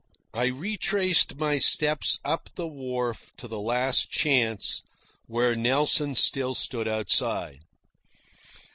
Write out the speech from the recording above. I retraced my steps up the wharf to the Last Chance, where Nelson still stood outside.